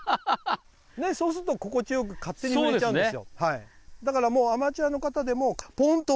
そうすると、心地よく勝手に飛んじゃうんですよ。